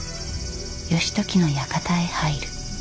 義時の館へ入る。